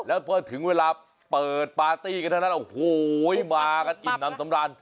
แล้วพอถึงเวลาเปิดปาร์ตี้กันเท่านั้นโอ้โหมากันอิ่มน้ำสำราญ